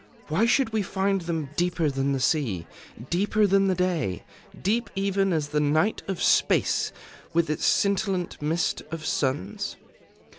Why should we find them deeper than the sea, deeper than the day, deep even as the night of Space, with its scintillant mist of suns?